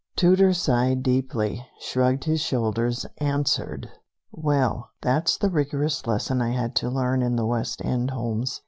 Tooter sighed deeply, shrugged his shoulders, answered: "Well, that's the rigorous lesson I had to learn in the West End, Holmes.